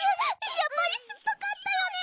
やっぱりすっぱかったよね？